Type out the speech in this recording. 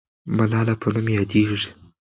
ملاله په نوم یادېږي.